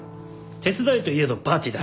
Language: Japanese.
手伝いといえどパーティーだ。